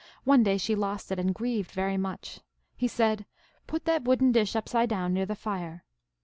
One day she lost it, and grieved very much. He said, Put that wooden dish upside down, near the fire.